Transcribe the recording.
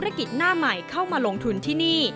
นักธุรกิจหน้าใหม่เข้ามาลงทุนที่นี่